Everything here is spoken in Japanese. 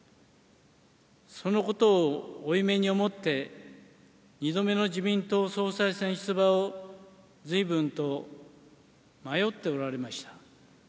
そのことを負い目に思って、２度目の自民党総裁選出馬をずいぶんと迷っておられました。